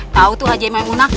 tau tuh haji emangguna